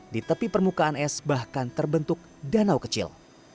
di tepi permukaan es bahkan terbentuk danau kecil